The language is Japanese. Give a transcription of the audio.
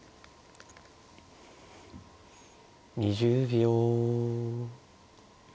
２０秒。